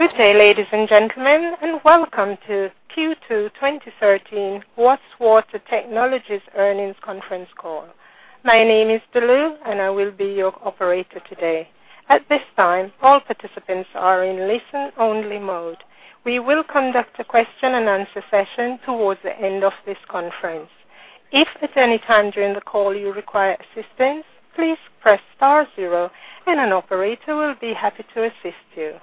Good day, ladies and gentlemen, and welcome to Q2 2013 Watts Water Technologies Earnings Conference Call. My name is Delou, and I will be your operator today. At this time, all participants are in listen-only mode. We will conduct a question-and-answer session towards the end of this conference. If at any time during the call you require assistance, please press star zero, and an operator will be happy to assist you.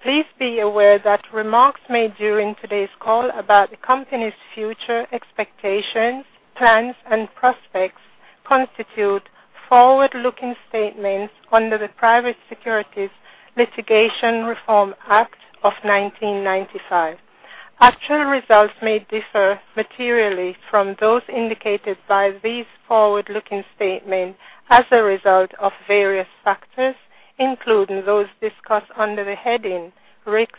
Please be aware that remarks made during today's call about the company's future expectations, plans, and prospects constitute forward-looking statements under the Private Securities Litigation Reform Act of 1995. Actual results may differ materially from those indicated by these forward-looking statements as a result of various factors, including those discussed under the heading Risk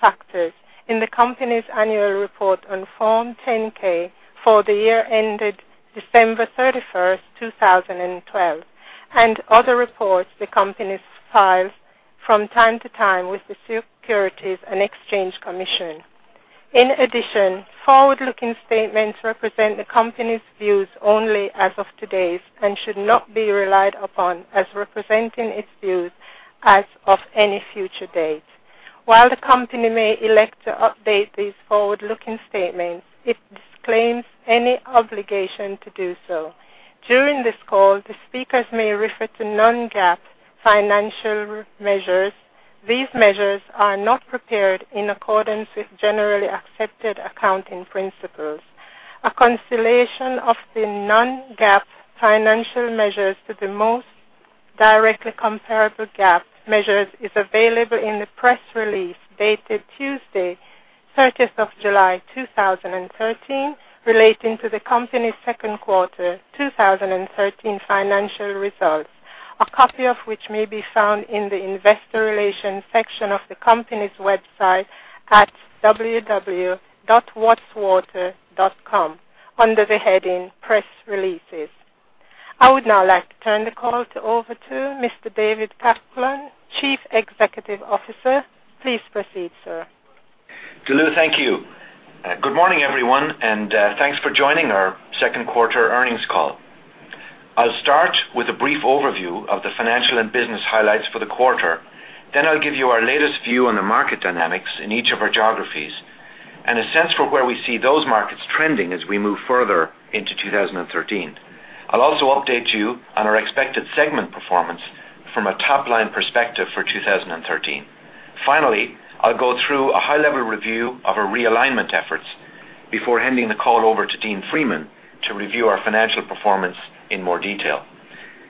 Factors in the company's Annual Report on Form 10-K for the year ended December 31, 2012, and other reports the company files from time to time with the Securities and Exchange Commission. In addition, forward-looking statements represent the company's views only as of today and should not be relied upon as representing its views as of any future date. While the company may elect to update these forward-looking statements, it disclaims any obligation to do so. During this call, the speakers may refer to non-GAAP financial measures. These measures are not prepared in accordance with generally accepted accounting principles. A reconciliation of the non-GAAP financial measures to the most directly comparable GAAP measures is available in the press release dated Tuesday, 13th of July, 2013, relating to the company's second quarter 2013 financial results, a copy of which may be found in the investor relations section of the company's website at www.wattswater.com, under the heading Press Releases. I would now like to turn the call over to Mr. David Coghlan, Chief Executive Officer. Please proceed, sir. Delou, thank you. Good morning, everyone, and, thanks for joining our Second Quarter Earnings Call. I'll start with a brief overview of the financial and business highlights for the quarter. Then I'll give you our latest view on the market dynamics in each of our geographies, and a sense for where we see those markets trending as we move further into 2013. I'll also update you on our expected segment performance from a top-line perspective for 2013. Finally, I'll go through a high-level review of our realignment efforts before handing the call over to Dean Freeman to review our financial performance in more detail.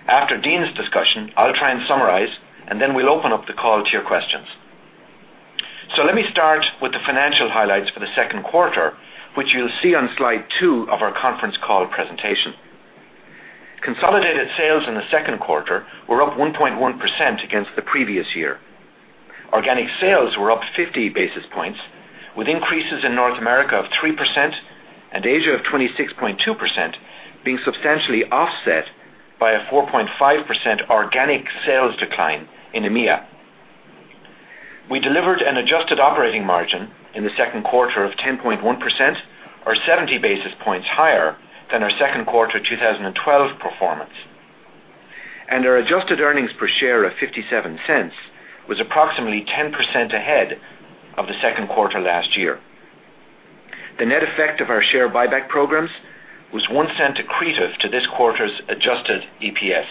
After Dean's discussion, I'll try and summarize, and then we'll open up the call to your questions. So let me start with the financial highlights for the second quarter, which you'll see on slide 2 of our conference call presentation. Consolidated sales in the second quarter were up 1.1% against the previous year. Organic sales were up 50 basis points, with increases in North America of 3% and Asia of 26.2%, being substantially offset by a 4.5% organic sales decline in EMEA. We delivered an adjusted operating margin in the second quarter of 10.1%, or 70 basis points higher than our second quarter 2012 performance. And our adjusted earnings per share of $0.57 was approximately 10% ahead of the second quarter last year. The net effect of our share buyback programs was $0.01 accretive to this quarter's adjusted EPS.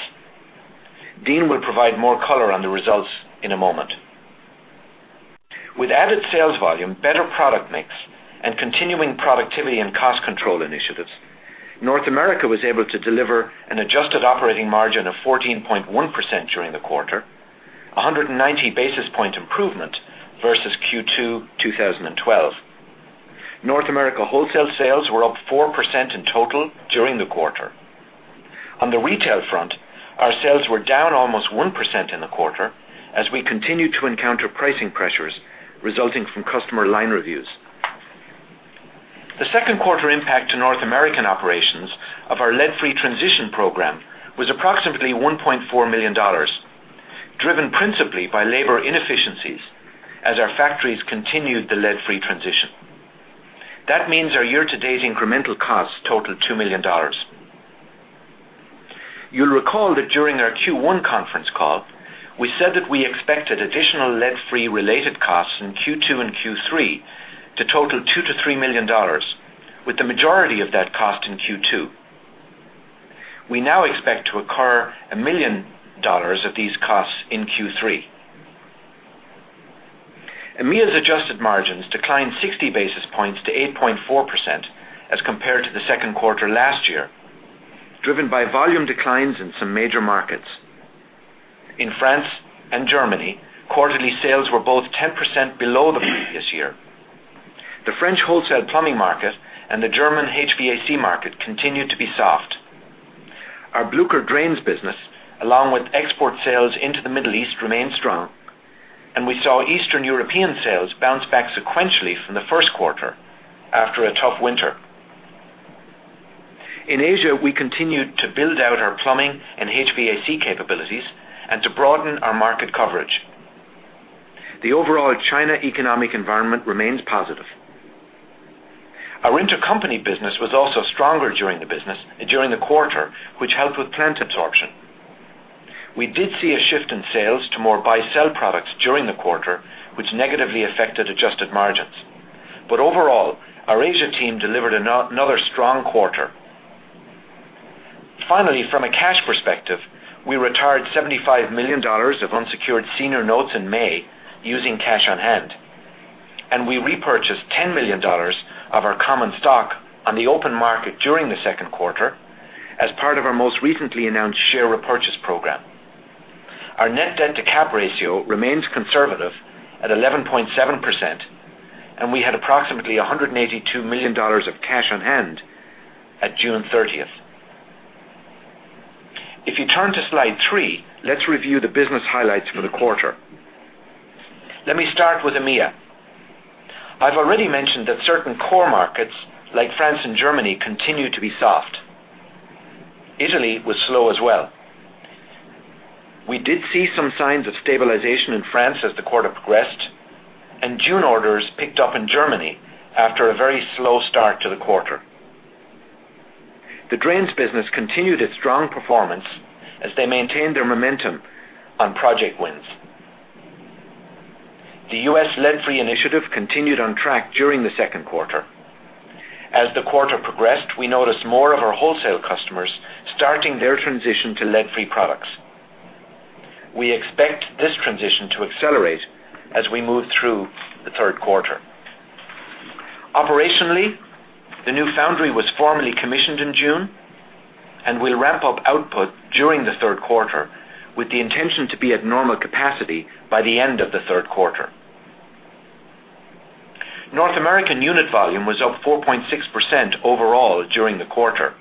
Dean will provide more color on the results in a moment. With added sales volume, better product mix, and continuing productivity and cost control initiatives, North America was able to deliver an adjusted operating margin of 14.1% during the quarter, 190 basis point improvement versus Q2, 2012. North America wholesale sales were up 4% in total during the quarter. On the retail front, our sales were down almost 1% in the quarter as we continued to encounter pricing pressures resulting from customer line reviews. The second quarter impact to North American operations of our lead-free transition program was approximately $1.4 million, driven principally by labor inefficiencies as our factories continued the lead-free transition. That means our year-to-date incremental costs totaled $2 million. You'll recall that during our Q1 Conference Call, we said that we expected additional lead-free related costs in Q2 and Q3 to total $2 million-$3 million, with the majority of that cost in Q2. We now expect to incur $1 million of these costs in Q3. EMEA's adjusted margins declined 60 basis points to 8.4% as compared to the second quarter last year, driven by volume declines in some major markets. In France and Germany, quarterly sales were both 10% below the previous year. The French wholesale plumbing market and the German HVAC market continued to be soft. Our BLÜCHER drains business, along with export sales into the Middle East, remained strong, and we saw Eastern European sales bounce back sequentially from the first quarter after a tough winter. In Asia, we continued to build out our plumbing and HVAC capabilities and to broaden our market coverage. The overall China economic environment remains positive. Our intercompany business was also stronger during the quarter, which helped with plant absorption. We did see a shift in sales to more buy-sell products during the quarter, which negatively affected adjusted margins. But overall, our Asia team delivered another strong quarter. Finally, from a cash perspective, we retired $75 million of unsecured senior notes in May using cash on hand, and we repurchased $10 million of our common stock on the open market during the second quarter as part of our most recently announced share repurchase program. Our net debt to cap ratio remains conservative at 11.7%, and we had approximately $182 million of cash on hand at June 30th. If you turn to slide 3, let's review the business highlights for the quarter. Let me start with EMEA. I've already mentioned that certain core markets, like France and Germany, continue to be soft. Italy was slow as well. We did see some signs of stabilization in France as the quarter progressed, and June orders picked up in Germany after a very slow start to the quarter. The drains business continued its strong performance as they maintained their momentum on project wins. The US Lead-Free Initiative continued on track during the second quarter. As the quarter progressed, we noticed more of our wholesale customers starting their transition to lead-free products. We expect this transition to accelerate as we move through the third quarter. Operationally, the new foundry was formally commissioned in June and will ramp up output during the third quarter, with the intention to be at normal capacity by the end of the third quarter. North American unit volume was up 4.6% overall during the quarter.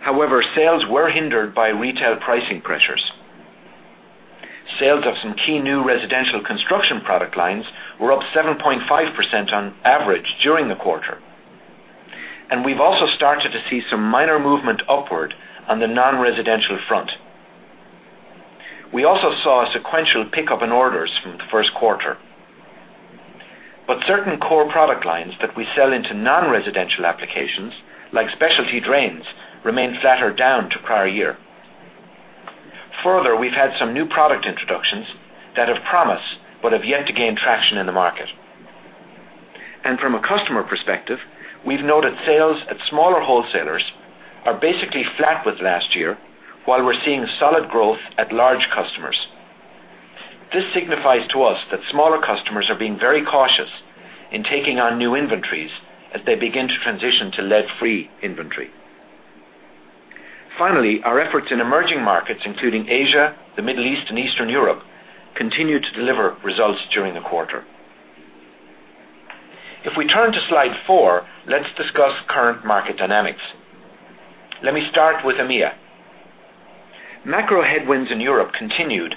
However, sales were hindered by retail pricing pressures. Sales of some key new residential construction product lines were up 7.5% on average during the quarter, and we've also started to see some minor movement upward on the non-residential front. We also saw a sequential pickup in orders from the first quarter. But certain core product lines that we sell into non-residential applications, like specialty drains, remain flat or down to prior year. Further, we've had some new product introductions that have promise but have yet to gain traction in the market. From a customer perspective, we've noted sales at smaller wholesalers are basically flat with last year, while we're seeing solid growth at large customers. This signifies to us that smaller customers are being very cautious in taking on new inventories as they begin to transition to lead-free inventory. Finally, our efforts in emerging markets, including Asia, the Middle East, and Eastern Europe, continued to deliver results during the quarter. If we turn to slide 4, let's discuss current market dynamics. Let me start with EMEA. Macro headwinds in Europe continued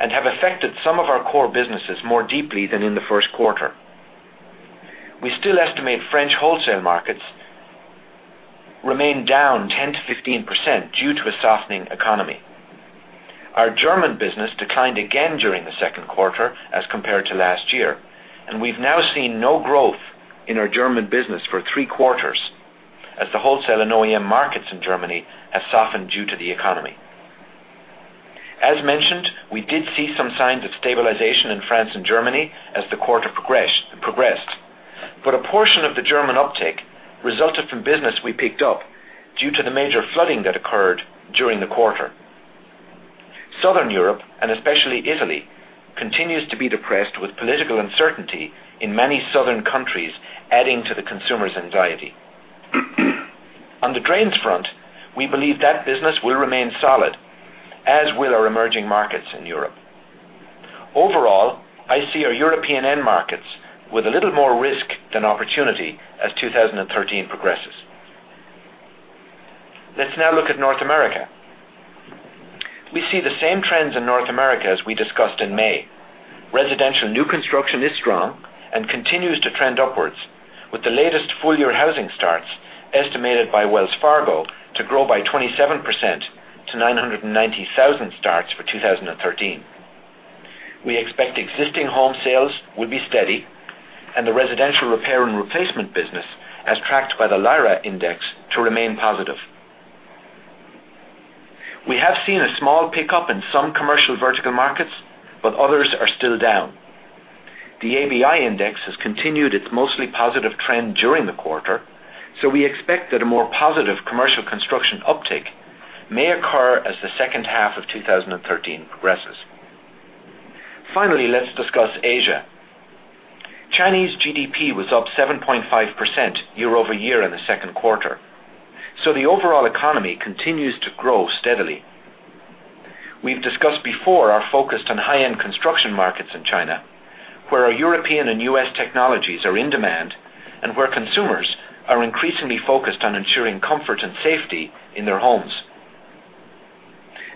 and have affected some of our core businesses more deeply than in the first quarter. We still estimate French wholesale markets remain down 10%-15% due to a softening economy. Our German business declined again during the second quarter as compared to last year, and we've now seen no growth in our German business for three quarters as the wholesale and OEM markets in Germany have softened due to the economy. As mentioned, we did see some signs of stabilization in France and Germany as the quarter progressed, but a portion of the German uptick resulted from business we picked up due to the major flooding that occurred during the quarter. Southern Europe, and especially Italy, continues to be depressed, with political uncertainty in many southern countries adding to the consumers' anxiety. On the drains front, we believe that business will remain solid, as will our emerging markets in Europe. Overall, I see our European end markets with a little more risk than opportunity as 2013 progresses. Let's now look at North America. We see the same trends in North America as we discussed in May. Residential new construction is strong and continues to trend upwards, with the latest full-year housing starts estimated by Wells Fargo to grow by 27% to 990,000 starts for 2013. We expect existing home sales will be steady and the residential repair and replacement business, as tracked by the LIRA index, to remain positive. We have seen a small pickup in some commercial vertical markets, but others are still down. The ABI index has continued its mostly positive trend during the quarter, so we expect that a more positive commercial construction uptick may occur as the second half of 2013 progresses. Finally, let's discuss Asia. Chinese GDP was up 7.5% year over year in the second quarter, so the overall economy continues to grow steadily. We've discussed before our focus on high-end construction markets in China, where our European and U.S. technologies are in demand and where consumers are increasingly focused on ensuring comfort and safety in their homes....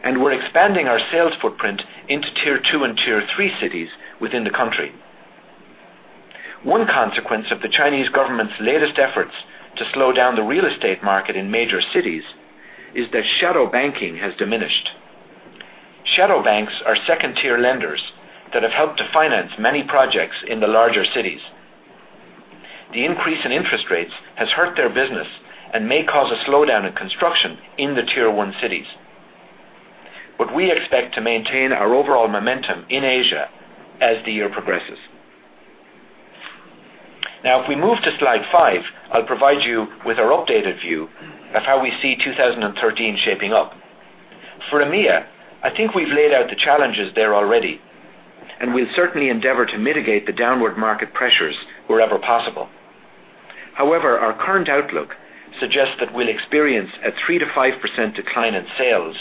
and we're expanding our sales footprint into Tier 2 and Tier 3 cities within the country. One consequence of the Chinese government's latest efforts to slow down the real estate market in major cities is that shadow banking has diminished. Shadow banks are second-tier lenders that have helped to finance many projects in the larger cities. The increase in interest rates has hurt their business and may cause a slowdown in construction in the Tier 1 cities. But we expect to maintain our overall momentum in Asia as the year progresses. Now, if we move to slide 5, I'll provide you with our updated view of how we see 2013 shaping up. For EMEA, I think we've laid out the challenges there already, and we'll certainly endeavor to mitigate the downward market pressures wherever possible. However, our current outlook suggests that we'll experience a 3%-5% decline in sales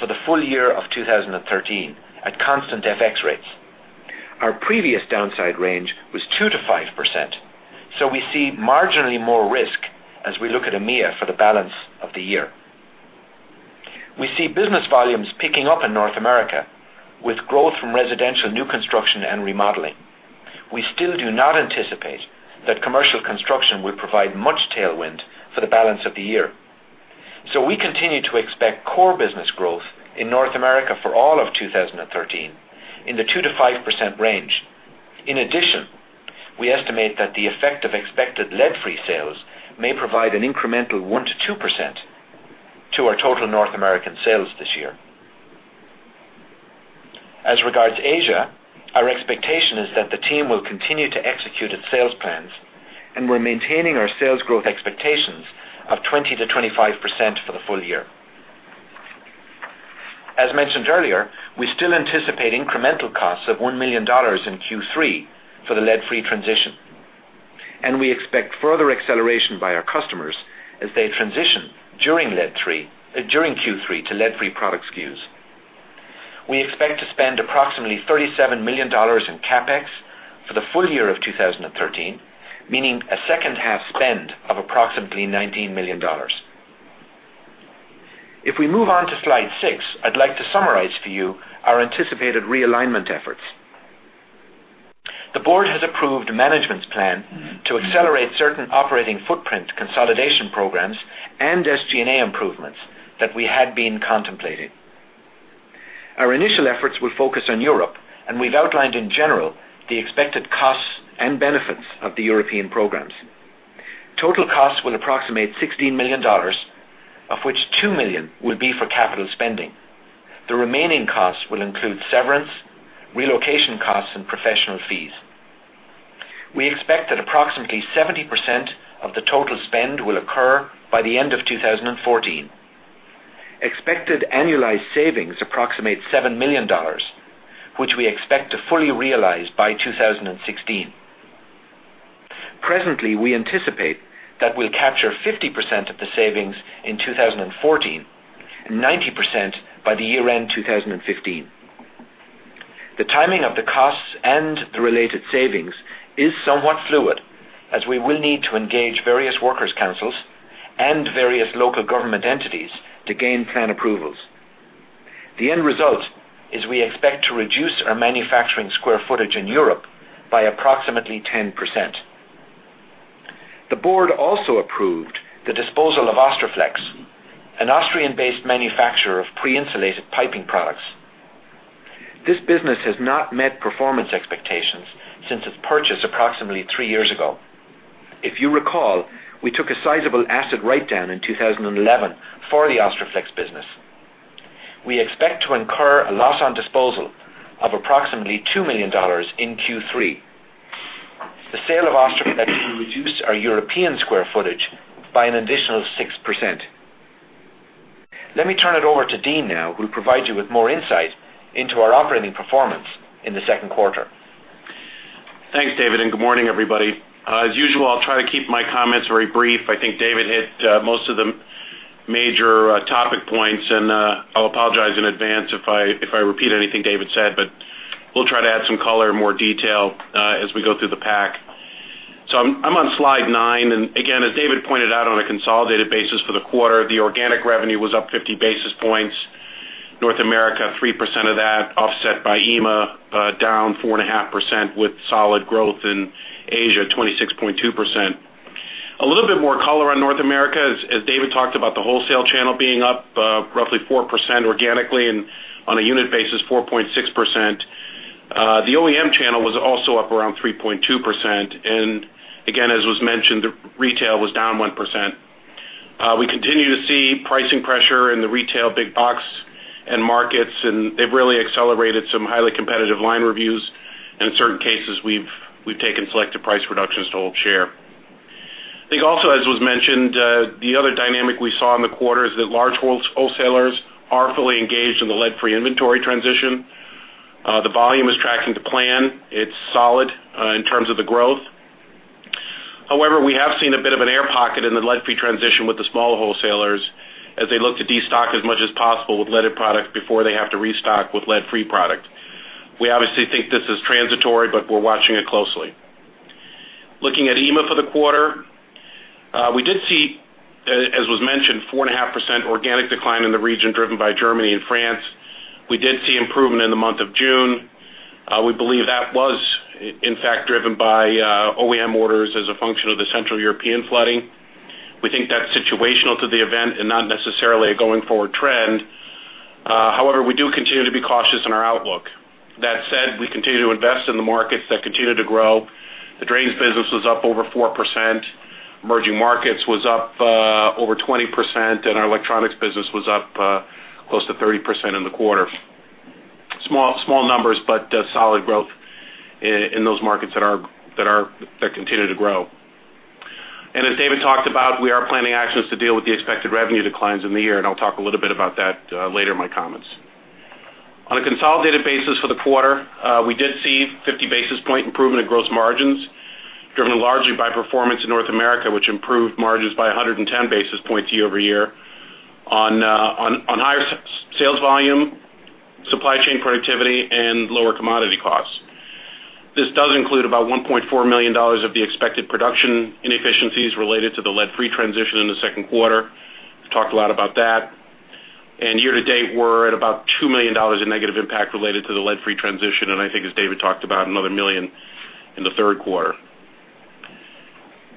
for the full year of 2013 at constant FX rates. Our previous downside range was 2%-5%, so we see marginally more risk as we look at EMEA for the balance of the year. We see business volumes picking up in North America, with growth from residential new construction and remodeling. We still do not anticipate that commercial construction will provide much tailwind for the balance of the year. So we continue to expect core business growth in North America for all of 2013 in the 2%-5% range. In addition, we estimate that the effect of expected lead-free sales may provide an incremental 1%-2% to our total North American sales this year. As regards Asia, our expectation is that the team will continue to execute its sales plans, and we're maintaining our sales growth expectations of 20%-25% for the full year. As mentioned earlier, we still anticipate incremental costs of $1 million in Q3 for the lead-free transition, and we expect further acceleration by our customers as they transition during Q3 to lead-free product SKUs. We expect to spend approximately $37 million in CapEx for the full year of 2013, meaning a second-half spend of approximately $19 million. If we move on to slide 6, I'd like to summarize for you our anticipated realignment efforts. The board has approved management's plan to accelerate certain operating footprint consolidation programs and SG&A improvements that we had been contemplating. Our initial efforts will focus on Europe, and we've outlined in general the expected costs and benefits of the European programs. Total costs will approximate $16 million, of which $2 million will be for capital spending. The remaining costs will include severance, relocation costs, and professional fees. We expect that approximately 70% of the total spend will occur by the end of 2014. Expected annualized savings approximate $7 million, which we expect to fully realize by 2016. Presently, we anticipate that we'll capture 50% of the savings in 2014, and 90% by the year-end 2015. The timing of the costs and the related savings is somewhat fluid, as we will need to engage various workers' councils and various local government entities to gain plan approvals. The end result is we expect to reduce our manufacturing square footage in Europe by approximately 10%. The board also approved the disposal of Austroflex, an Austrian-based manufacturer of pre-insulated piping products. This business has not met performance expectations since its purchase approximately three years ago. If you recall, we took a sizable asset write-down in 2011 for the Austroflex business. We expect to incur a loss on disposal of approximately $2 million in Q3. The sale of Austroflex will reduce our European square footage by an additional 6%. Let me turn it over to Dean now, who will provide you with more insight into our operating performance in the second quarter. Thanks, David, and good morning, everybody. As usual, I'll try to keep my comments very brief. I think David hit most of the major topic points, and I'll apologize in advance if I repeat anything David said, but we'll try to add some color and more detail as we go through the pack. So I'm on slide 9, and again, as David pointed out, on a consolidated basis for the quarter, the organic revenue was up 50 basis points. North America, 3% of that, offset by EMEA down 4.5%, with solid growth in Asia, 26.2%. A little bit more color on North America. As David talked about, the wholesale channel being up roughly 4% organically, and on a unit basis, 4.6%. The OEM channel was also up around 3.2%. And again, as was mentioned, retail was down 1%. We continue to see pricing pressure in the retail big box end markets, and they've really accelerated some highly competitive line reviews, and in certain cases, we've taken selective price reductions to hold share. I think also, as was mentioned, the other dynamic we saw in the quarter is that large wholesalers are fully engaged in the lead-free inventory transition. The volume is tracking to plan. It's solid in terms of the growth. However, we have seen a bit of an air pocket in the lead-free transition with the smaller wholesalers as they look to destock as much as possible with leaded products before they have to restock with lead-free product. We obviously think this is transitory, but we're watching it closely. Looking at EMEA for the quarter, we did see, as was mentioned, 4.5% organic decline in the region, driven by Germany and France. We did see improvement in the month of June. We believe that was in fact driven by OEM orders as a function of the Central European flooding. We think that's situational to the event and not necessarily a going-forward trend. However, we do continue to be cautious in our outlook. That said, we continue to invest in the markets that continue to grow. The Drains business was up over 4%. Emerging Markets was up over 20%, and our Electronics business was up close to 30% in the quarter. Small, small numbers, but solid growth in those markets that continue to grow. And as David talked about, we are planning actions to deal with the expected revenue declines in the year, and I'll talk a little bit about that later in my comments. On a consolidated basis for the quarter, we did see 50 basis point improvement in gross margins, driven largely by performance in North America, which improved margins by 110 basis points year-over-year, on higher sales volume, supply chain productivity, and lower commodity costs. This does include about $1.4 million of the expected production inefficiencies related to the lead-free transition in the second quarter. We've talked a lot about that. Year-to-date, we're at about $2 million in negative impact related to the lead-free transition, and I think, as David talked about, another $1 million in the third quarter.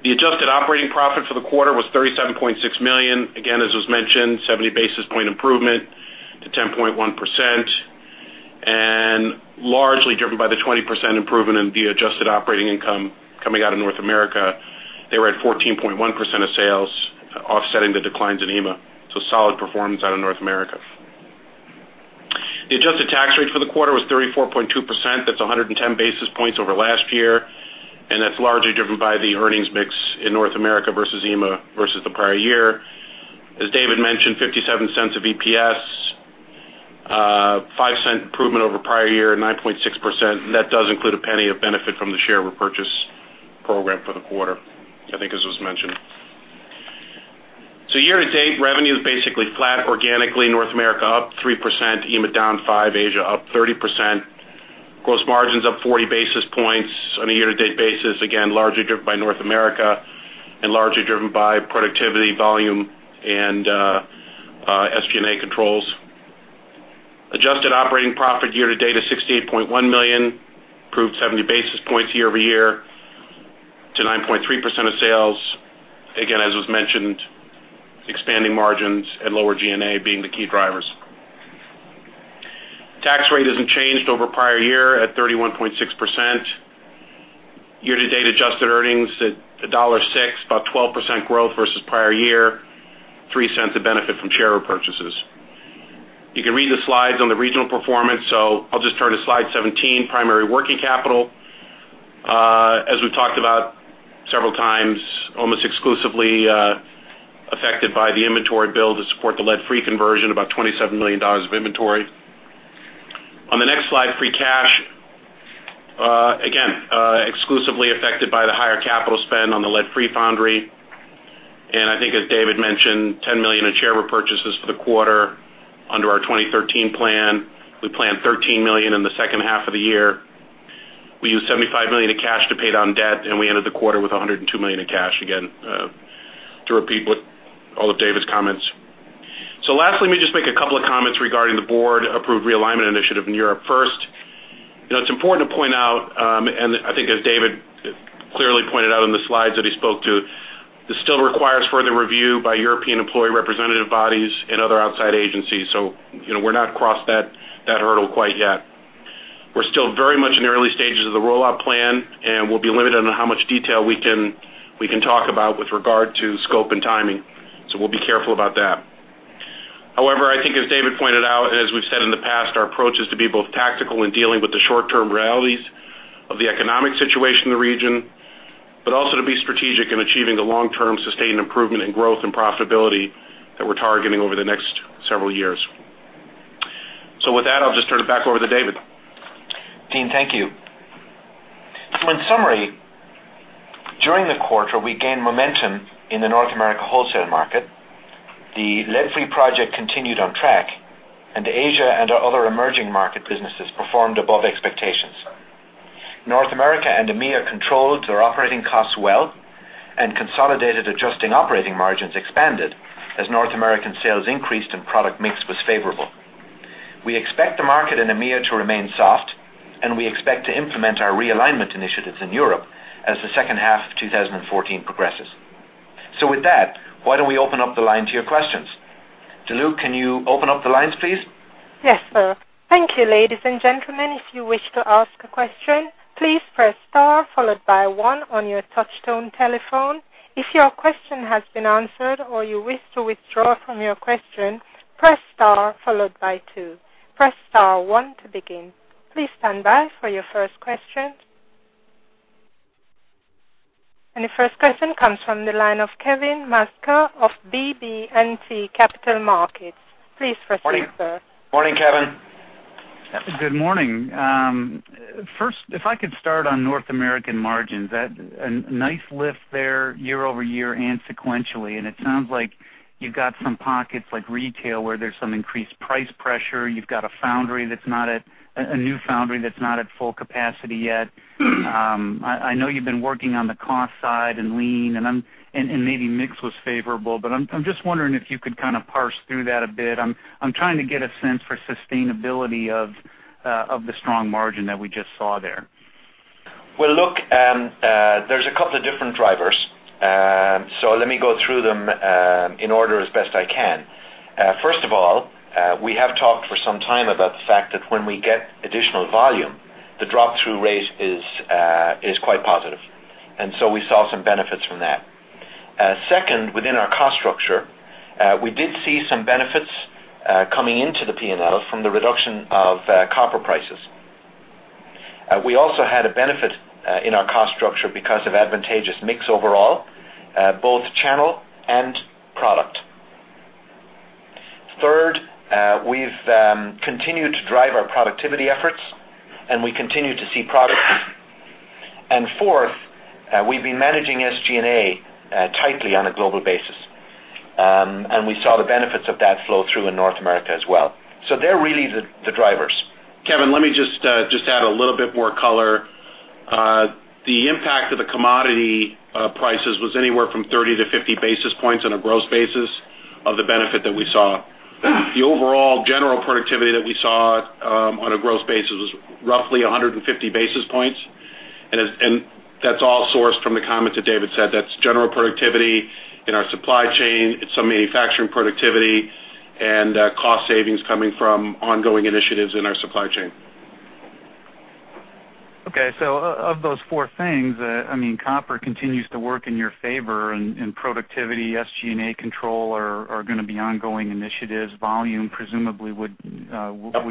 The adjusted operating profit for the quarter was $37.6 million. Again, as was mentioned, 70 basis point improvement to 10.1%, and largely driven by the 20% improvement in the adjusted operating income coming out of North America. They were at 14.1% of sales, offsetting the declines in EMEA, so solid performance out of North America. The adjusted tax rate for the quarter was 34.2%. That's 110 basis points over last year, and that's largely driven by the earnings mix in North America versus EMEA versus the prior year. As David mentioned, $0.57 of EPS, $0.05 improvement over prior year, 9.6%, and that does include a $0.01 of benefit from the share repurchase program for the quarter, I think as was mentioned. So year-to-date, revenue is basically flat organically, North America up 3%, EMEA down 5%, Asia up 30%. Gross margins up 40 basis points on a year-to-date basis, again, largely driven by North America and largely driven by productivity, volume, and SG&A controls. Adjusted operating profit year-to-date is $68.1 million, improved 70 basis points year-over-year to 9.3% of sales. Again, as was mentioned, expanding margins and lower G&A being the key drivers. Tax rate isn't changed over prior year at 31.6%. Year-to-date adjusted earnings at $1.06, about 12% growth versus prior year, 3 cents of benefit from share repurchases. You can read the slides on the regional performance, so I'll just turn to slide 17, Primary Working Capital. As we've talked about several times, almost exclusively affected by the inventory build to support the lead-free conversion, about $27 million of inventory. On the next slide, Free Cash, again exclusively affected by the higher capital spend on the lead-free foundry. And I think, as David mentioned, $10 million in share repurchases for the quarter under our 2013 plan. We planned $13 million in the second half of the year. We used $75 million of cash to pay down debt, and we ended the quarter with $102 million in cash, again to repeat what all of David's comments. So lastly, let me just make a couple of comments regarding the board-approved realignment initiative in Europe. First, you know, it's important to point out, and I think as David clearly pointed out in the slides that he spoke to, this still requires further review by European employee representative bodies and other outside agencies. So, you know, we're not crossed that hurdle quite yet. We're still very much in the early stages of the rollout plan, and we'll be limited on how much detail we can talk about with regard to scope and timing, so we'll be careful about that. However, I think as David pointed out, and as we've said in the past, our approach is to be both tactical in dealing with the short-term realities of the economic situation in the region, but also to be strategic in achieving the long-term, sustained improvement in growth and profitability that we're targeting over the next several years. So with that, I'll just turn it back over to David. Dean, thank you. So in summary, during the quarter, we gained momentum in the North America wholesale market. The lead-free project continued on track, and Asia and our other emerging market businesses performed above expectations. North America and EMEA controlled their operating costs well, and consolidated adjusted operating margins expanded as North American sales increased and product mix was favorable. We expect the market in EMEA to remain soft, and we expect to implement our realignment initiatives in Europe as the second half of 2014 progresses. So with that, why don't we open up the line to your questions? Delou, can you open up the lines, please? Yes, sir. Thank you, ladies and gentlemen. If you wish to ask a question, please press star followed by one on your touchtone telephone. If your question has been answered or you wish to withdraw from your question, press star followed by two. Press star one to begin. Please stand by for your first question. And the first question comes from the line of Kevin Maczka of BB&T Capital Markets. Please proceed, sir. Morning, Kevin. Good morning. First, if I could start on North American margins, that's a nice lift there year-over-year and sequentially, and it sounds like you've got some pockets like retail, where there's some increased price pressure. You've got a new foundry that's not at full capacity yet. I know you've been working on the cost side and lean, and maybe mix was favorable, but I'm just wondering if you could kind of parse through that a bit. I'm trying to get a sense for sustainability of the strong margin that we just saw there. Well, look, there's a couple of different drivers. So let me go through them in order as best I can. First of all, we have talked for some time about the fact that when we get additional volume, the drop-through rate is quite positive, and so we saw some benefits from that. Second, within our cost structure, we did see some benefits coming into the PNL from the reduction of copper prices. We also had a benefit in our cost structure because of advantageous mix overall, both channel and product. Third, we've continued to drive our productivity efforts, and we continue to see progress. And fourth, we've been managing SG&A tightly on a global basis. And we saw the benefits of that flow through in North America as well. So they're really the drivers. Kevin, let me just, just add a little bit more color. The impact of the commodity prices was anywhere from 30 to 50 basis points on a gross basis of the benefit that we saw. The overall general productivity that we saw, on a gross basis was roughly 150 basis points. And that's all sourced from the comments that David said. That's general productivity in our supply chain. It's some manufacturing productivity and, cost savings coming from ongoing initiatives in our supply chain. Okay, so of those four things, I mean, copper continues to work in your favor, and productivity, SG&A control are gonna be ongoing initiatives. Volume presumably would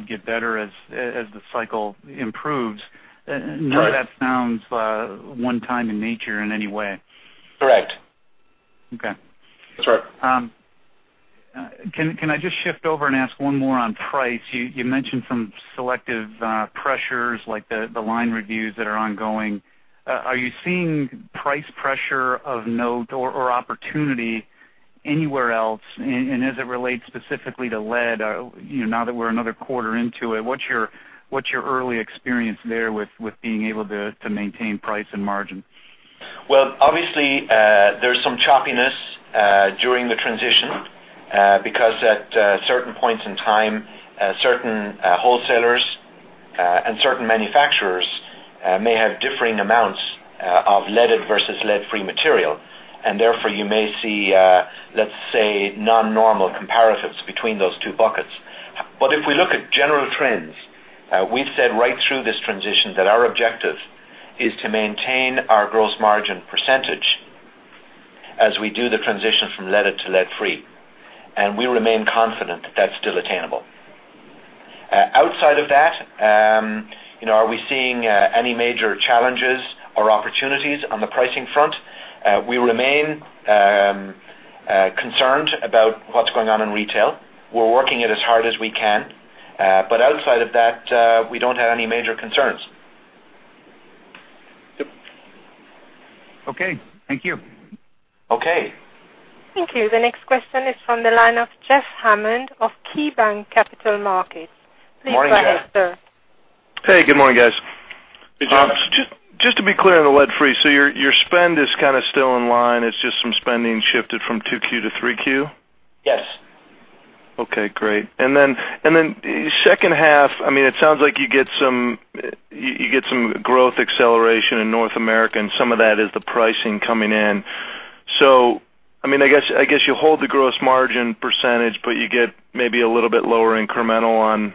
get better as the cycle improves. None of that sounds one-time in nature in any way. Correct. Okay. That's right. Can I just shift over and ask one more on price? You mentioned some selective pressures, like the line reviews that are ongoing. Are you seeing price pressure of note or opportunity anywhere else? And as it relates specifically to lead, you know, now that we're another quarter into it, what's your early experience there with being able to maintain price and margin? Well, obviously, there's some choppiness during the transition because at certain points in time certain wholesalers and certain manufacturers may have differing amounts of leaded versus lead-free material. And therefore, you may see, let's say, non-normal comparatives between those two buckets. But if we look at general trends, we've said right through this transition that our objective is to maintain our gross margin percentage as we do the transition from leaded to lead-free, and we remain confident that that's still attainable. Outside of that, you know, are we seeing any major challenges or opportunities on the pricing front? We remain concerned about what's going on in retail. We're working it as hard as we can, but outside of that, we don't have any major concerns. Okay. Thank you. Okay. Thank you. The next question is from the line of Jeff Hammond of KeyBank Capital Markets. Morning, Jeff. Please go ahead, sir. Hey, good morning, guys. Hey, Jeff. Just, just to be clear on the lead-free, so your, your spend is kind of still in line. It's just some spending shifted from Q2-Q3? Yes. Okay, great. And then second half, I mean, it sounds like you get some growth acceleration in North America, and some of that is the pricing coming in. So, I mean, I guess you hold the gross margin percentage, but you get maybe a little bit lower incremental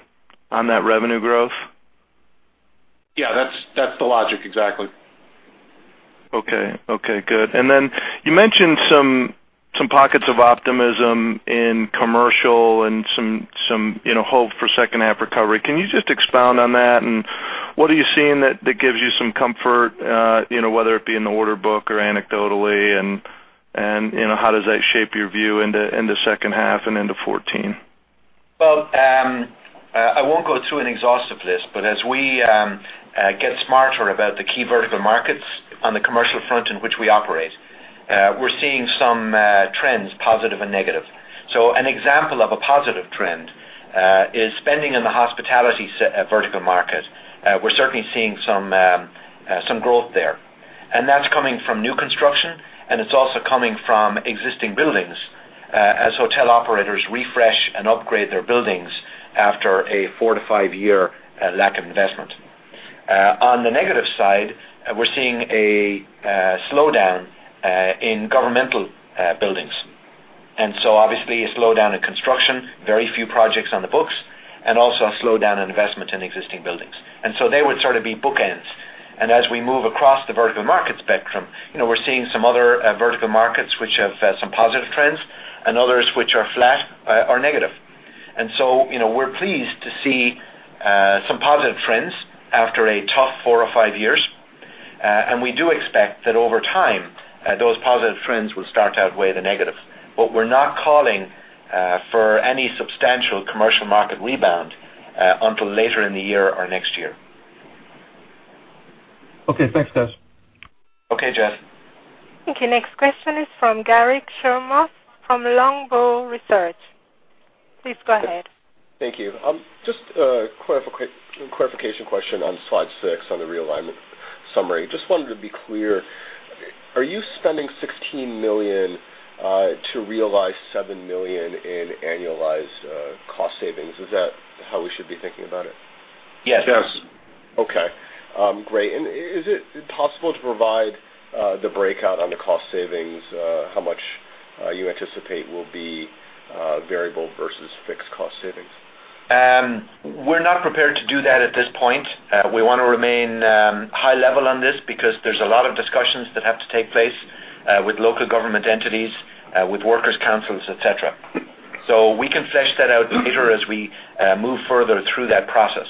on that revenue growth? Yeah, that's, that's the logic, exactly. Okay, good. And then you mentioned some pockets of optimism in commercial and some, you know, hope for second half recovery. Can you just expound on that? And what are you seeing that gives you some comfort, you know, whether it be in the order book or anecdotally, and, you know, how does that shape your view into the second half and into 2014? Well, I won't go through an exhaustive list, but as we get smarter about the key vertical markets on the commercial front in which we operate, we're seeing some trends, positive and negative. So an example of a positive trend is spending in the hospitality vertical market. We're certainly seeing some growth there, and that's coming from new construction, and it's also coming from existing buildings as hotel operators refresh and upgrade their buildings after a 4- to 5-year lack of investment. On the negative side, we're seeing a slowdown in governmental buildings. And so obviously a slowdown in construction, very few projects on the books, and also a slowdown in investment in existing buildings. And so they would sort of be bookends. As we move across the vertical market spectrum, you know, we're seeing some other vertical markets which have some positive trends and others which are flat or negative. And so, you know, we're pleased to see some positive trends after a tough four or five years. And we do expect that over time those positive trends will start to outweigh the negatives. But we're not calling for any substantial commercial market rebound until later in the year or next year. Okay. Thanks, guys. Okay, Jeff. Thank you. Next question is from Garik Shmois from Longbow Research. Please go ahead. Thank you. Just a clarification question on slide 6 on the realignment summary. Just wanted to be clear, are you spending $16 million to realize $7 million in annualized cost savings? Is that how we should be thinking about it? Yes. Okay, great. And is it possible to provide the breakout on the cost savings, how much you anticipate will be variable versus fixed cost savings? We're not prepared to do that at this point. We wanna remain high level on this because there's a lot of discussions that have to take place with local government entities with workers' councils, et cetera. So we can flesh that out later as we move further through that process.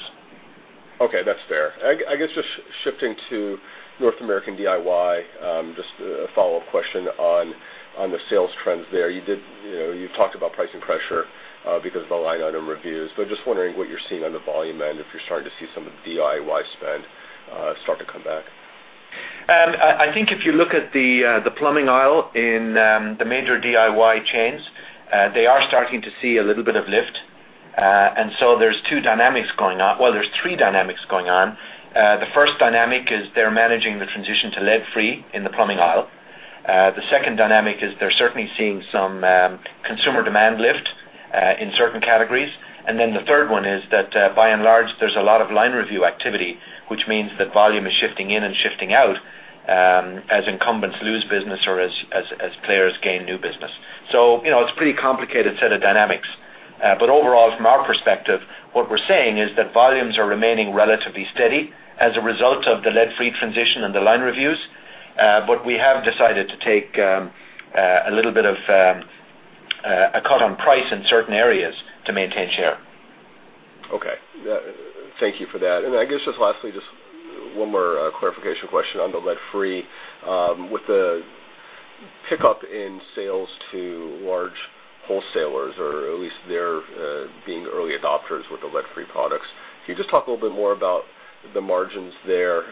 Okay, that's fair. I guess, just shifting to North American DIY, just a follow-up question on the sales trends there. You did, you know, you talked about pricing pressure because of the line item reviews, but just wondering what you're seeing on the volume end, if you're starting to see some of the DIY spend start to come back. I think if you look at the plumbing aisle in the major DIY chains, they are starting to see a little bit of lift. And so there's two dynamics going on. Well, there's three dynamics going on. The first dynamic is they're managing the transition to lead-free in the plumbing aisle. The second dynamic is they're certainly seeing some consumer demand lift in certain categories. And then the third one is that, by and large, there's a lot of line review activity, which means that volume is shifting in and shifting out as incumbents lose business or as players gain new business. So, you know, it's a pretty complicated set of dynamics. Overall, from our perspective, what we're saying is that volumes are remaining relatively steady as a result of the lead-free transition and the line reviews. We have decided to take a little bit of a cut on price in certain areas to maintain share. Okay. Thank you for that. And I guess just lastly, just one more clarification question on the lead-free. With the pickup in sales to large wholesalers, or at least they're being early adopters with the lead-free products, can you just talk a little bit more about the margins there?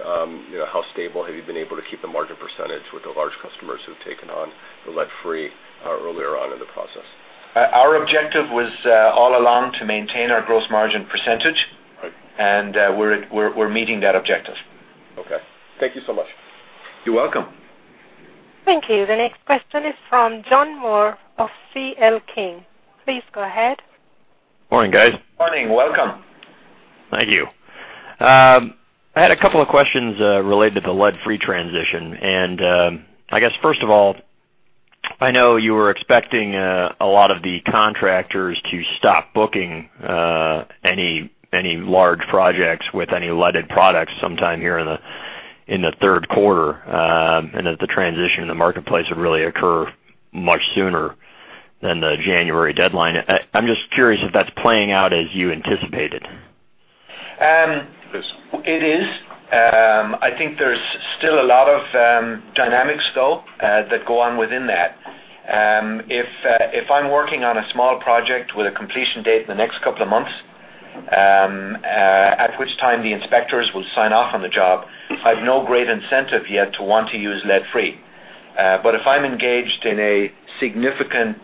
You know, how stable have you been able to keep the margin percentage with the large customers who've taken on the lead-free earlier on in the process? Our objective was, all along to maintain our gross margin percentage. And we're meeting that objective. Okay. Thank you so much. You're welcome. Thank you. The next question is from John Moore of CL King. Please go ahead. Morning, guys. Morning. Welcome. Thank you. I had a couple of questions, related to the lead-free transition. I guess, first of all, I know you were expecting a lot of the contractors to stop booking any large projects with any leaded products sometime here in the third quarter, and that the transition in the marketplace would really occur much sooner than the January deadline. I'm just curious if that's playing out as you anticipated? It is. I think there's still a lot of dynamics, though, that go on within that. If I'm working on a small project with a completion date in the next couple of months, at which time the inspectors will sign off on the job, I have no great incentive yet to want to use lead-free. But if I'm engaged in a significant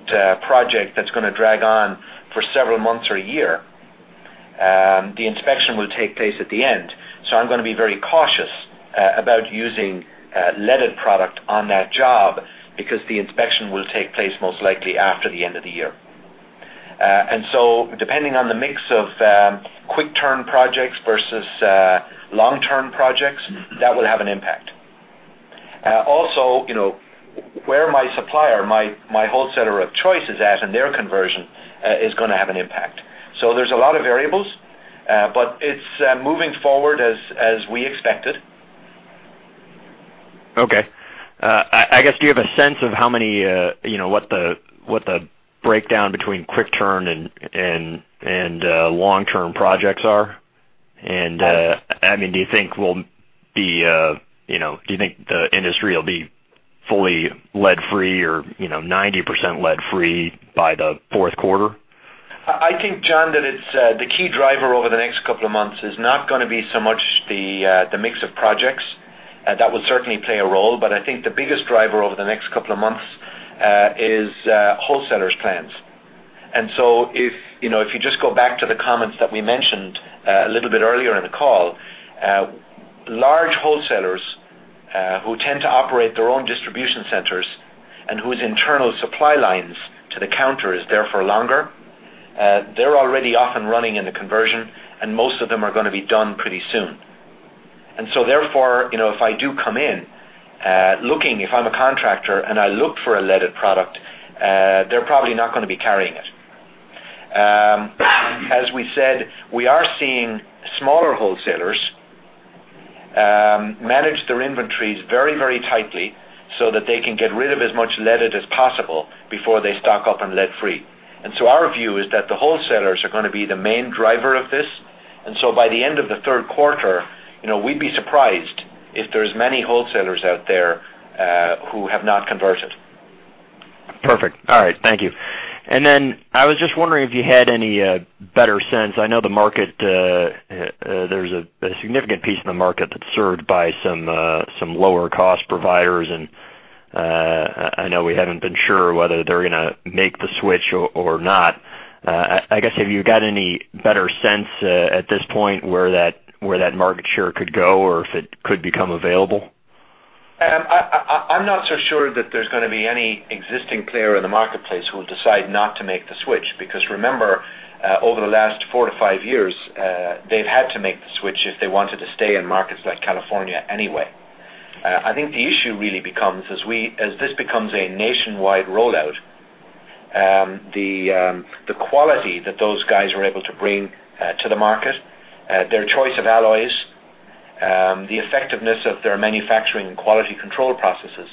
project that's gonna drag on for several months or a year, the inspection will take place at the end. So I'm gonna be very cautious about using leaded product on that job because the inspection will take place most likely after the end of the year. And so depending on the mix of quick turn projects versus long-term projects, that will have an impact. Also, you know, where my supplier, my wholesaler of choice is at, and their conversion is gonna have an impact. So there's a lot of variables, but it's moving forward as we expected. Okay. I guess, do you have a sense of how many, you know, what the breakdown between quick turn and long-term projects are? And, I mean, do you think we'll be, you know, do you think the industry will be fully lead-free or, you know, 90% lead-free by the fourth quarter? I think, John, that it's the key driver over the next couple of months is not gonna be so much the mix of projects. That will certainly play a role, but I think the biggest driver over the next couple of months is wholesalers' plans. And so if, you know, if you just go back to the comments that we mentioned a little bit earlier in the call, large wholesalers who tend to operate their own distribution centers and whose internal supply lines to the counter is there for longer, they're already off and running in the conversion, and most of them are gonna be done pretty soon. And so therefore, you know, if I do come in looking, if I'm a contractor and I look for a leaded product, they're probably not gonna be carrying it. As we said, we are seeing smaller wholesalers manage their inventories very, very tightly so that they can get rid of as much leaded as possible before they stock up on lead-free. So our view is that the wholesalers are gonna be the main driver of this. So by the end of the third quarter, you know, we'd be surprised if there's many wholesalers out there who have not converted. Perfect. All right, thank you. And then I was just wondering if you had any better sense. I know the market, there's a significant piece of the market that's served by some lower-cost providers, and I know we haven't been sure whether they're gonna make the switch or not. I guess, have you got any better sense at this point where that market share could go or if it could become available? I'm not so sure that there's gonna be any existing player in the marketplace who will decide not to make the switch. Because remember, over the last 4-5 years, they've had to make the switch if they wanted to stay in markets like California anyway. I think the issue really becomes, as we—as this becomes a nationwide rollout, the quality that those guys were able to bring to the market, their choice of alloys, the effectiveness of their manufacturing and quality control processes,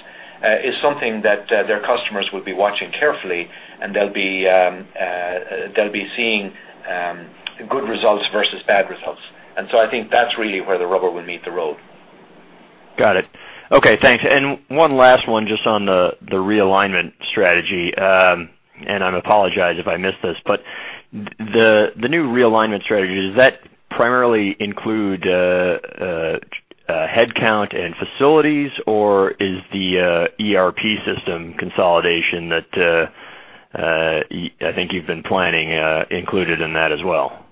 is something that their customers will be watching carefully, and they'll be seeing good results versus bad results. And so I think that's really where the rubber will meet the road. Got it. Okay, thanks. One last one, just on the realignment strategy. I apologize if I missed this, but the new realignment strategy, does that primarily include headcount and facilities, or is the ERP system consolidation that I think you've been planning included in that as well?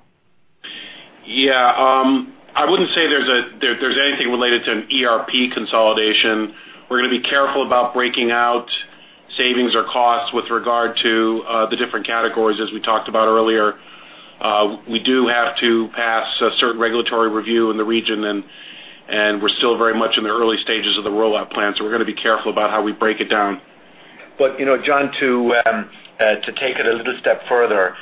Yeah, I wouldn't say there's anything related to an ERP consolidation. We're gonna be careful about breaking out savings or costs with regard to the different categories, as we talked about earlier. We do have to pass a certain regulatory review in the region, and we're still very much in the early stages of the rollout plan, so we're gonna be careful about how we break it down. But, you know, John, to take it a little step further,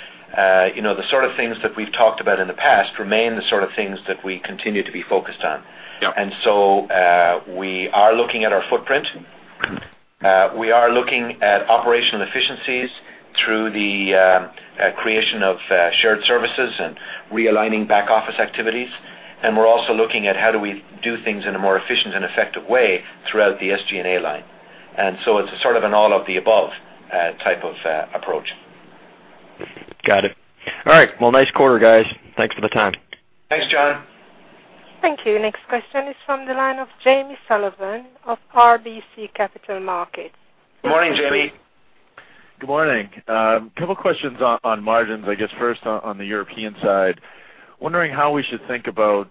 you know, the sort of things that we've talked about in the past remain the sort of things that we continue to be focused on. And so, we are looking at our footprint. We are looking at operational efficiencies through the creation of shared services and realigning back-office activities. And we're also looking at how do we do things in a more efficient and effective way throughout the SG&A line. And so it's sort of an all-of-the-above type of approach. Got it. All right. Well, nice quarter, guys. Thanks for the time. Thanks, John. Thank you. Next question is from the line of Jamie Sullivan of RBC Capital Markets. Good morning, Jamie. Good morning. A couple questions on margins, I guess, first on the European side. Wondering how we should think about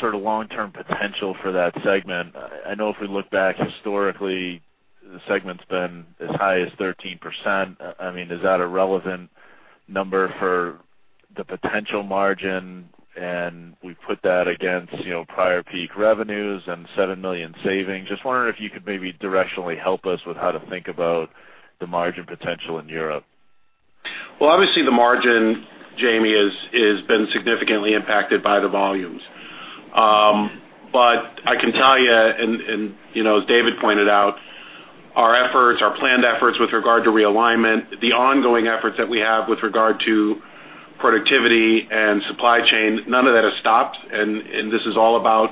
sort of long-term potential for that segment. I know if we look back historically, the segment's been as high as 13%. I mean, is that a relevant number for the potential margin? And we put that against, you know, prior peak revenues and $7 million savings. Just wondering if you could maybe directionally help us with how to think about the margin potential in Europe. Well, obviously, the margin, Jamie, is, is been significantly impacted by the volumes. But I can tell you, and, and, you know, as David pointed out, our efforts, our planned efforts with regard to realignment, the ongoing efforts that we have with regard to productivity and supply chain, none of that has stopped, and, and this is all about,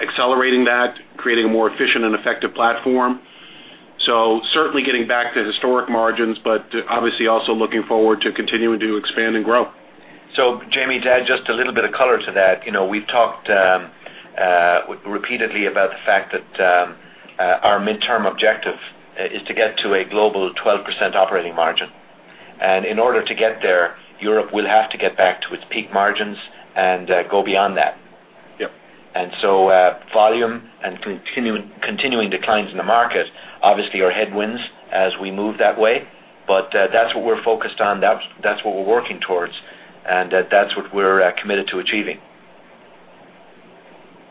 accelerating that, creating a more efficient and effective platform. So certainly getting back to historic margins, but, obviously also looking forward to continuing to expand and grow. So Jamie, to add just a little bit of color to that, you know, we've talked repeatedly about the fact that our midterm objective is to get to a global 12% operating margin. And in order to get there, Europe will have to get back to its peak margins and go beyond that. And so, volume and continuing declines in the market, obviously, are headwinds as we move that way. But, that's what we're focused on, that's, that's what we're committed to achieving.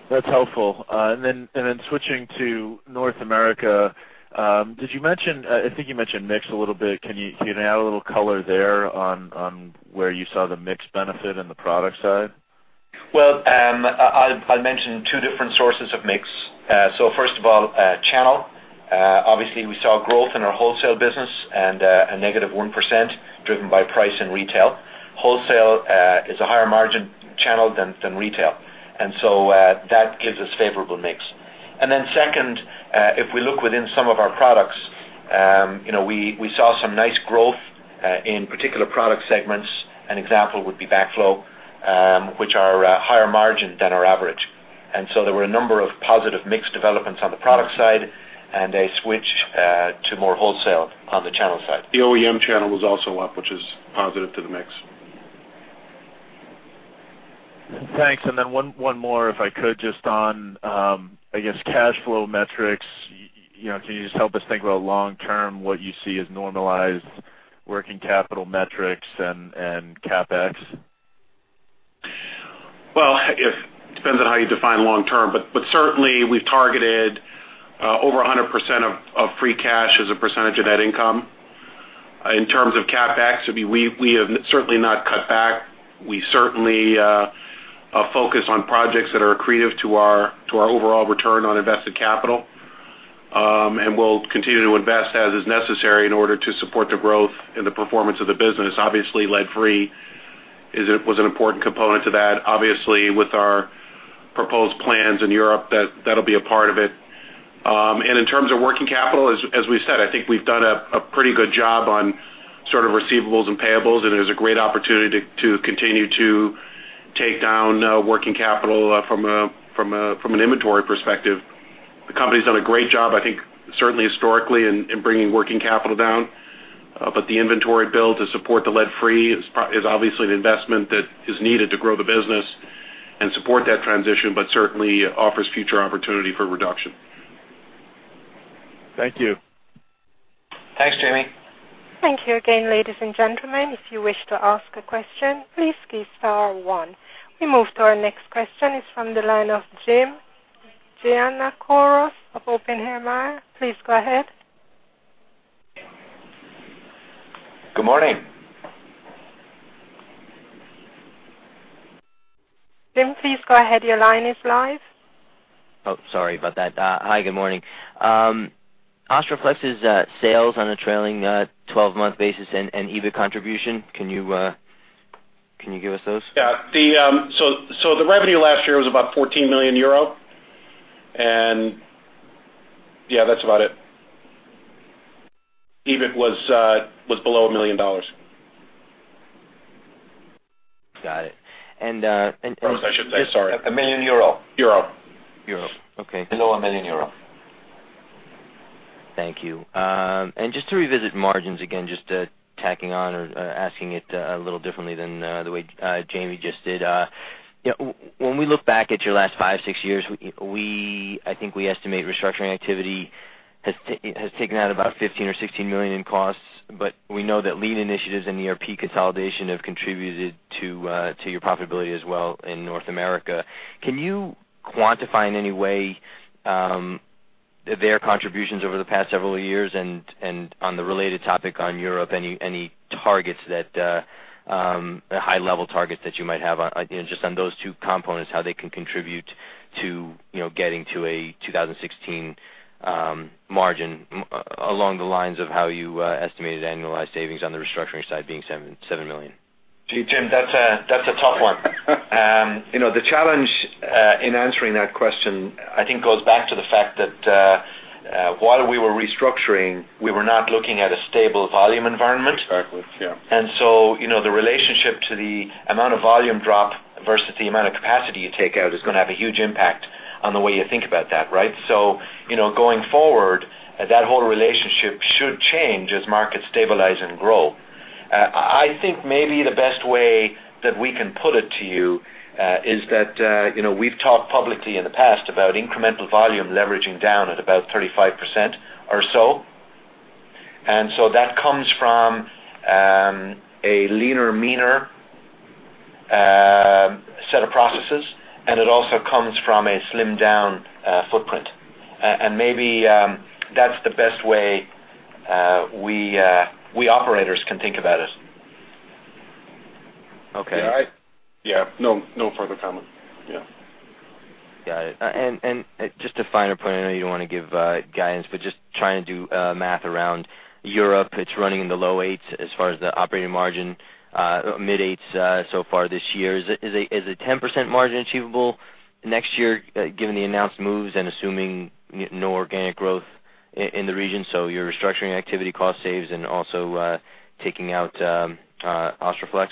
That's helpful. And then switching to North America, did you mention, I think you mentioned mix a little bit. Can you add a little color there on where you saw the mix benefit in the product side? Well, I mentioned two different sources of mix. So first of all, channel. Obviously, we saw growth in our wholesale business and a negative 1%, driven by price and retail. Wholesale is a higher margin channel than retail, and so that gives us favorable mix. And then second, if we look within some of our products, you know, we saw some nice growth in particular product segments. An example would be backflow, which are higher margin than our average. And so there were a number of positive mix developments on the product side, and a switch to more wholesale on the channel side. The OEM channel was also up, which is positive to the mix. Thanks. And then one more, if I could, just on, I guess, cash flow metrics. You know, can you just help us think about long-term, what you see as normalized working capital metrics and CapEx? Well, it depends on how you define long term, but certainly we've targeted over 100% of free cash as a percentage of net income. In terms of CapEx, I mean, we have certainly not cut back. We certainly focus on projects that are accretive to our overall return on invested capital. And we'll continue to invest as is necessary in order to support the growth and the performance of the business. Obviously, lead-free is, was an important component to that. Obviously, with our proposed plans in Europe, that'll be a part of it. In terms of working capital, as we said, I think we've done a pretty good job on sort of receivables and payables, and there's a great opportunity to continue to take down working capital from an inventory perspective. The company's done a great job, I think, certainly historically, in bringing working capital down. But the inventory build to support the lead-free is obviously an investment that is needed to grow the business and support that transition, but certainly offers future opportunity for reduction. Thank you. Thanks, Jamie. Thank you again, ladies and gentlemen. If you wish to ask a question, please key star one. We move to our next question. It's from the line of Jim Giannakouros of Oppenheimer. Please go ahead. Good morning. Jim, please go ahead. Your line is live. Oh, sorry about that. Hi, good morning. Austroflex's sales on a trailing 12-month basis and EBIT contribution, can you give us those? Yeah, so the revenue last year was about 14 million euro. And yeah, that's about it. EBIT was below $1 million. Got it. I should say, sorry. 1 million euro. Euro. Euro. Okay. Below 1 million euro. Thank you. And just to revisit margins again, just, tacking on or, asking it, a little differently than the way Jamie just did. Yeah, when we look back at your last five, six years, we—I think we estimate restructuring activity has taken out about $15 million or $16 million in costs, but we know that lean initiatives and ERP consolidation have contributed to your profitability as well in North America. Can you quantify in any way, their contributions over the past several years? And on the related topic on Europe, any targets that, a high-level target that you might have on, you know, just on those two components, how they can contribute to, you know, getting to a 2016 margin, along the lines of how you estimated annualized savings on the restructuring side being $7 million? Jim, that's a tough one. You know, the challenge in answering that question, I think, goes back to the fact that while we were restructuring, we were not looking at a stable volume environment. Exactly, yeah. So, you know, the relationship to the amount of volume drop versus the amount of capacity you take out is gonna have a huge impact on the way you think about that, right? So, you know, going forward, that whole relationship should change as markets stabilize and grow. I think maybe the best way that we can put it to you is that, you know, we've talked publicly in the past about incremental volume leveraging down at about 35% or so. So that comes from a leaner, meaner set of processes, and it also comes from a slimmed down footprint. And maybe that's the best way we operators can think about it. Okay. Yeah, no, no further comment. Yeah. Got it. And just to find a point, I know you don't want to give guidance, but just trying to do math around Europe, it's running in the low 8s as far as the operating margin, mid 8s, so far this year. Is a 10% margin achievable next year, given the announced moves and assuming no organic growth in the region, so your restructuring activity, cost saves, and also taking out Austroflex?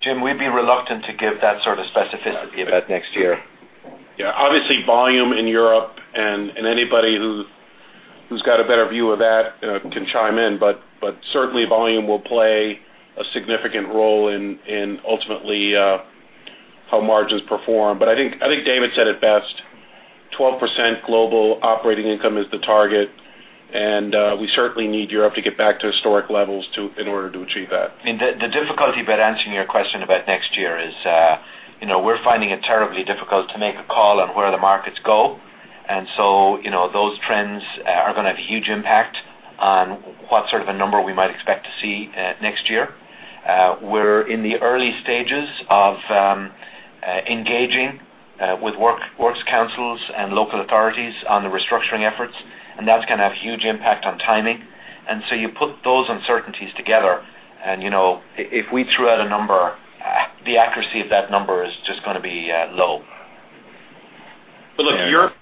Jim, we'd be reluctant to give that sort of specificity about next year. Yeah, obviously, volume in Europe, and anybody who’s got a better view of that can chime in, but certainly volume will play a significant role in ultimately how margins perform. But I think David said it best, 12% global operating income is the target, and we certainly need Europe to get back to historic levels in order to achieve that. And the difficulty about answering your question about next year is, you know, we're finding it terribly difficult to make a call on where the markets go. And so, you know, those trends are gonna have a huge impact on what sort of a number we might expect to see, next year. We're in the early stages of engaging with works councils and local authorities on the restructuring efforts, and that's gonna have a huge impact on timing. And so you put those uncertainties together, and, you know, if we threw out a number, the accuracy of that number is just gonna be, low. But look,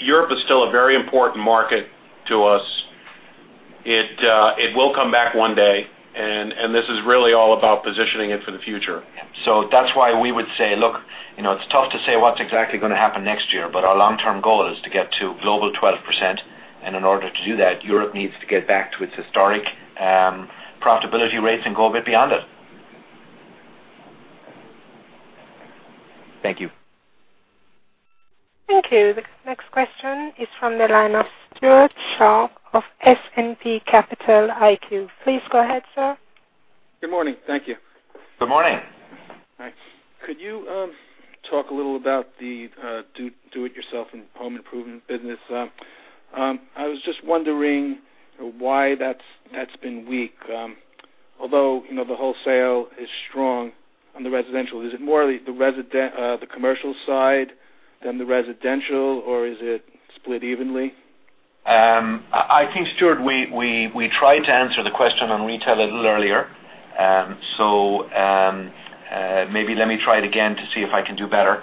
Europe is still a very important market to us. It, it will come back one day, and this is really all about positioning it for the future. So that's why we would say, look, you know, it's tough to say what's exactly gonna happen next year, but our long-term goal is to get to global 12%, and in order to do that, Europe needs to get back to its historic profitability rates and go a bit beyond it. Thank you. Thank you. The next question is from the line of Stewart Scharf of S&P Capital IQ. Please go ahead, sir. Good morning. Thank you. Good morning. Hi. Could you talk a little about the do it yourself in home improvement business? I was just wondering why that's been weak, although, you know, the wholesale is strong on the residential. Is it more the commercial side than the residential, or is it split evenly? I think, Stewart, we tried to answer the question on retail a little earlier. So, maybe let me try it again to see if I can do better.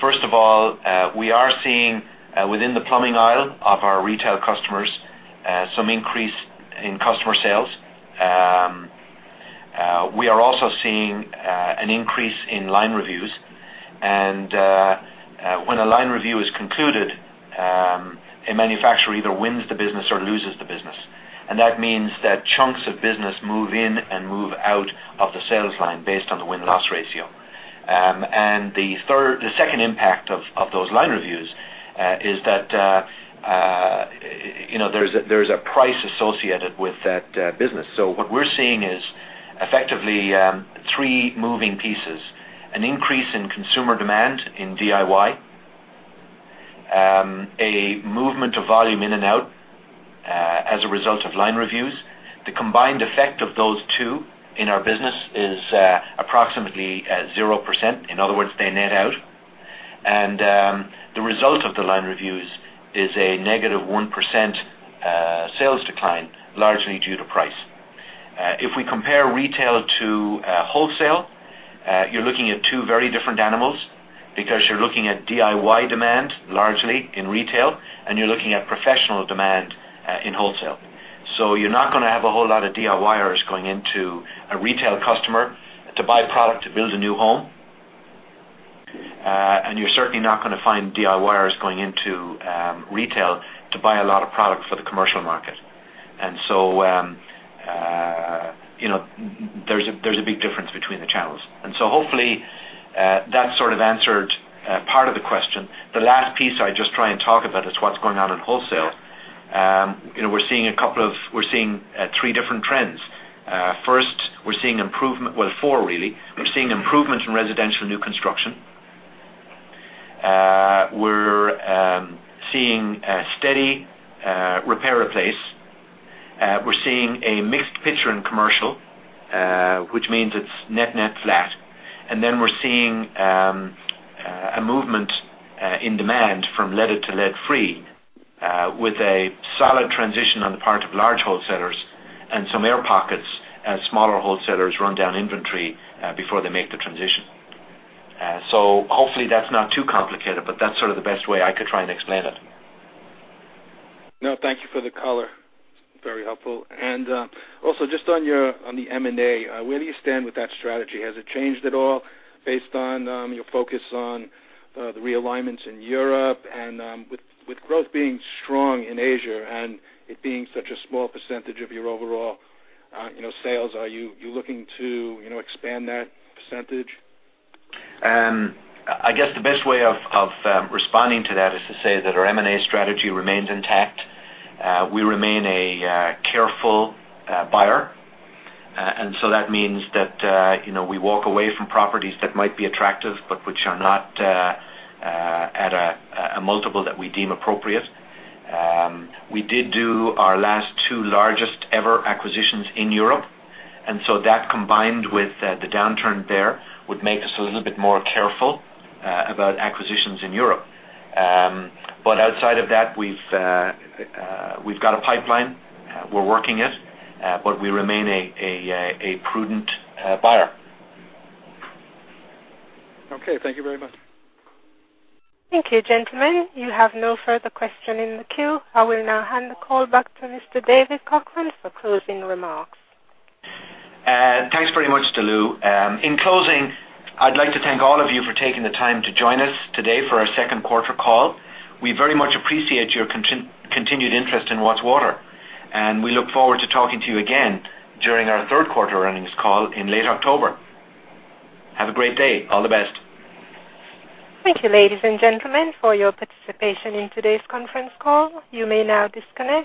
First of all, we are seeing within the plumbing aisle of our retail customers some increase in customer sales. We are also seeing an increase in line reviews, and when a line review is concluded, a manufacturer either wins the business or loses the business. And that means that chunks of business move in and move out of the sales line based on the win-loss ratio. And the second impact of those line reviews is that, you know, there's a price associated with that business. So what we're seeing is effectively three moving pieces: an increase in consumer demand in DIY, a movement of volume in and out, as a result of line reviews. The combined effect of those two in our business is approximately at 0%. In other words, they net out. The result of the line reviews is a negative 1% sales decline, largely due to price. If we compare retail to wholesale, you're looking at two very different animals because you're looking at DIY demand, largely in retail, and you're looking at professional demand in wholesale. So you're not gonna have a whole lot of DIYers going into a retail customer to buy product to build a new home. And you're certainly not gonna find DIYers going into retail to buy a lot of product for the commercial market. And so, you know, there's a, there's a big difference between the channels. And so hopefully, that sort of answered part of the question. The last piece I just try and talk about is what's going on in wholesale. You know, we're seeing a couple of... We're seeing three different trends. First, we're seeing improvement... Well, four, really. We're seeing improvement in residential new construction. We're seeing a steady repair replace. We're seeing a mixed picture in commercial, which means it's net, net flat. And then we're seeing a movement in demand from leaded to lead-free with a solid transition on the part of large wholesalers and some air pockets as smaller wholesalers run down inventory before they make the transition. So hopefully, that's not too complicated, but that's sort of the best way I could try and explain it. No, thank you for the color. Very helpful. And also, just on your M&A, where do you stand with that strategy? Has it changed at all based on your focus on the realignments in Europe? And with growth being strong in Asia and it being such a small percentage of your overall, you know, sales, are you looking to, you know, expand that percentage? I guess the best way of responding to that is to say that our M&A strategy remains intact. We remain a careful buyer. And so that means that, you know, we walk away from properties that might be attractive, but which are not at a multiple that we deem appropriate. We did do our last two largest-ever acquisitions in Europe, and so that combined with the downturn there, would make us a little bit more careful about acquisitions in Europe. But outside of that, we've got a pipeline. We're working it, but we remain a prudent buyer. Okay, thank you very much. Thank you, gentlemen. You have no further question in the queue. I will now hand the call back to Mr. David Coghlan for closing remarks. Thanks very much, Delou. In closing, I'd like to thank all of you for taking the time to join us today for our second quarter call. We very much appreciate your continued interest in Watts Water, and we look forward to talking to you again during our third quarter earnings call in late October. Have a great day. All the best. Thank you, ladies and gentlemen, for your participation in today's conference call. You may now disconnect.